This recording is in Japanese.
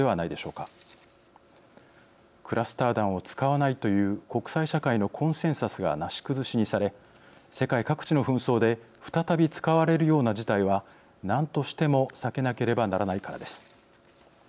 クラスター弾を使わないという国際社会のコンセンサスがなし崩しにされ世界各地の紛争で再び使われるような事態はなんとしても避けなければならないからです。